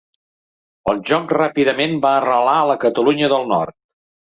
El joc ràpidament va arrelar a la Catalunya del Nord.